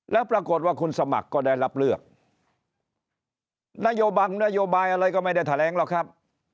แล้วปรากฏว่าคุณสมัครก็ได้รับเลือกนโยบายนโยบายอะไรก็ไม่ได้แถลงหรอกครับ